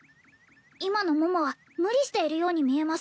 今の桃は無理しているように見えます